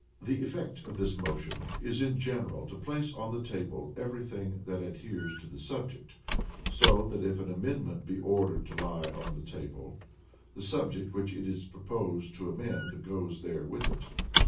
The Effect of this motion is in general to place on the table everything that adheres to the subject; so that if an amendment be ordered to lie on the table, the subject which it is proposed to amend, goes there with it.